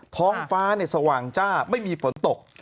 ท้องฟ้าสว่างจ้าไม่มีฝนตก